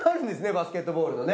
バスケットボールのね。